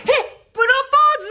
プロポーズ！？